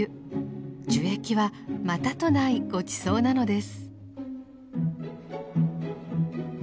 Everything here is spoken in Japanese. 樹液はまたとないごちそうなのです。